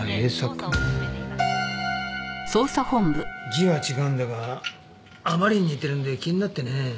字は違うんだがあまりに似てるんで気になってね。